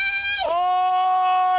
おい！